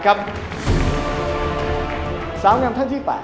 ๓๓๐ครับนางสาวปริชาธิบุญยืน